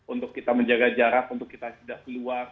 untuk kita menjaga jarak untuk kita tidak keluar